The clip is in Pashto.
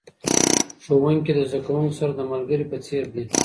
ښوونکي د زده کوونکو سره د ملګري په څیر دي.